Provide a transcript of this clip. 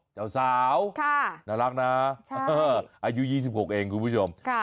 เจ้าสาวน่ารักนะอายุ๒๖เองคุณผู้ชม